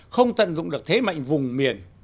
không tận dụng được thế mạnh vùng miền